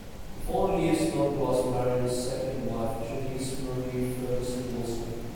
The following year Snodgrass married his second wife, Janice Marie Ferguson Wilson.